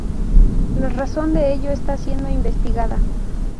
La razón de ello está siendo investigada.